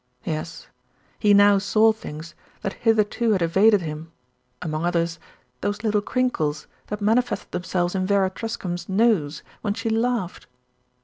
Yes, he now saw things that hitherto had evaded him, among others those little crinkles that manifested themselves in Vera Truscombe's nose when she laughed.